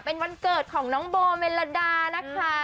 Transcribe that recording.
เป็นวันเกิดของน้องโบเมลดานะคะ